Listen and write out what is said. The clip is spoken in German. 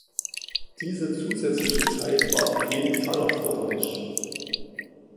Diese zusätzliche Zeit war auf jeden Fall erforderlich.